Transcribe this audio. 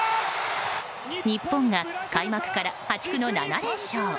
日本が開幕から破竹の７連勝。